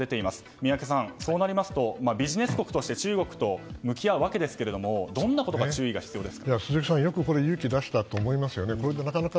宮家さん、そうなりますとビジネス国として中国と向き合うことですがどんなことに注意が必要ですか？